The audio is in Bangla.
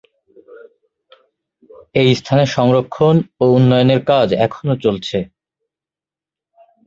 এই স্থানের সংরক্ষণ ও উন্নয়নের কাজ এখনও চলছে।